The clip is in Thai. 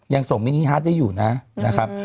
ยังส่งมินิฮาร์ดได้อยู่นะครับ